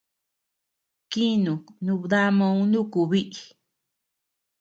Kinü nubdamauʼu nuku biʼi.